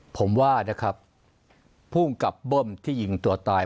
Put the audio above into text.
ผมว่านะครับภูมิกับเบิ้มที่ยิงตัวตาย